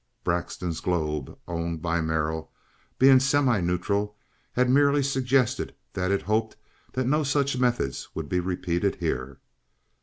Braxton's Globe, owned by Merrill, being semi neutral, had merely suggested that it hoped that no such methods would be repeated here.)